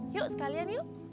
yuk sekalian yuk